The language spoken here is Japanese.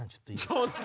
ちょっと。